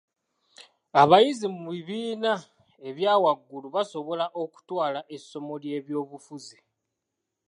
Abayizi mu bibiina ebya waggulu basobola okutwala essomo ly'ebyobufuzi.